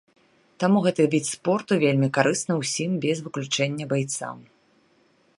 Таму гэты від спорту вельмі карысны ўсім без выключэння байцам.